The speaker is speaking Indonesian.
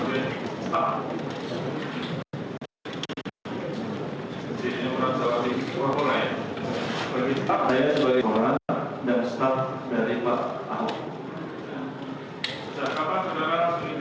bisa ditetapkan bisa diterima selama ini